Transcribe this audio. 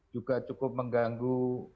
juga cukup mengganggu